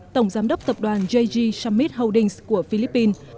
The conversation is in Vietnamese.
tổng giám đốc tập đoàn jg summit holdings của philippines